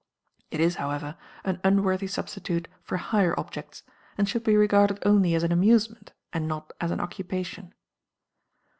It is, however, an unworthy substitute for higher objects, and should be regarded only as an amusement and not as an occupation.